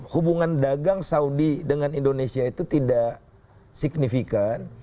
hubungan dagang saudi dengan indonesia itu tidak signifikan